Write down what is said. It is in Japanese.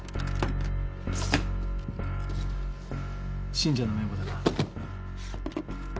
信者の名簿だな。